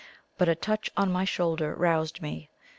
But a touch on my shoulder roused me.